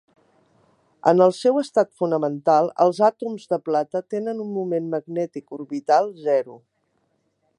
En el seu estat fonamental, els àtoms de plata tenen un moment magnètic orbital zero.